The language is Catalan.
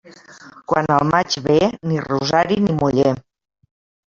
Quan el maig ve, ni rosari ni muller.